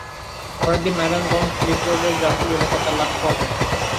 পরের দিন নারায়ণগঞ্জ লিংক রোডের জালকুড়ি এলাকায় তাঁর লাশ পাওয়া যায়।